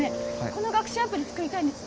この学習アプリ作りたいんです